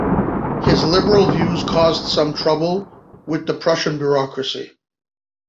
His liberal views caused some trouble with the Prussian bureaucracy.